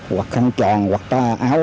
hoặc khăn tròn hoặc áo